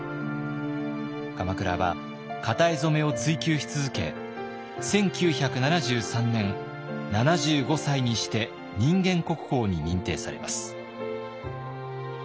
鎌倉は型絵染を追究し続け１９７３年７５歳にして人間国宝に認定されます。